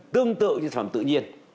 tương tự như thực phẩm tự nhiên